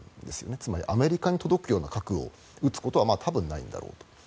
つまり、アメリカに届くような核を撃つことはまあ、多分ないんだろうと。